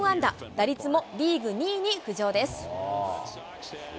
打率もリーグ２位に浮上です。